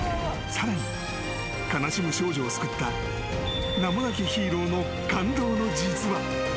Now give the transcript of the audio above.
更に、悲しむ少女を救った名もなきヒーローの感動の実話。